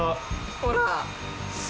ほら。